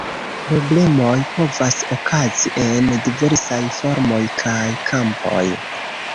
Problemoj povas okazi en diversaj formoj kaj kampoj.